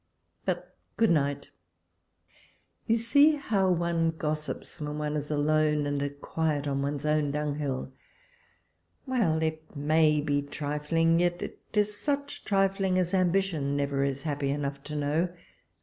But, good night ! you see how one gossips, when one is alone, and at quiet on one's own dunghill! — Well! it may be trifling; yet it is such trifling as Ambition never is happy enough to know